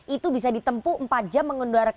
itu bisa ditempuh empat jam